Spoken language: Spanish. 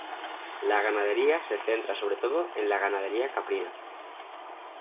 La ganadería se centra sobre todo en la ganadería caprina.